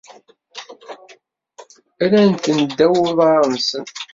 Rran-ten ddaw uḍar-nsen.